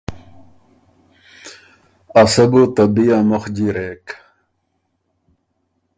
ا سۀ بو ته بی ا مُخ جیرېک